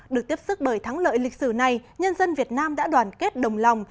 được tiếp sức bởi thắng lợi lịch sử này nhân dân việt nam đã đoàn kết đồng lòng